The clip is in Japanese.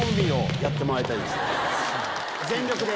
全力で。